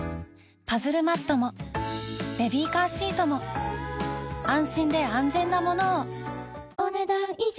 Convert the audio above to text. パズルマットもベビーカーシートも安心で安全なものをお、ねだん以上。